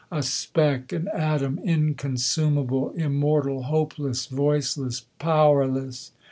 A speck, an atom inconsumable Immortal, hopeless, voiceless, powerless!